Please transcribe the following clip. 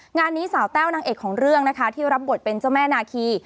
งานนี้สาวแต้วนางเอกของเรื่องนะคะที่รับบทเป็นเจ้าแม่นาคี